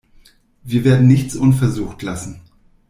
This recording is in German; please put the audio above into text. Wir werden nichts unversucht lassen.